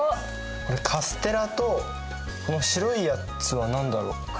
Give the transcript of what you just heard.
おっカステラとこの白いやつは何だろう。